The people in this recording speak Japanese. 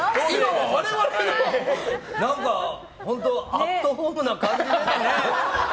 本当アットホームな感じですね。